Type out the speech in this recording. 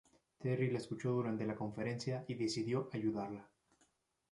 Terry la escuchó durante la conferencia y decidió ayudarla.